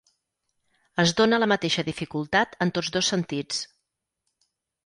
Es dóna la mateixa dificultat en tots dos sentits.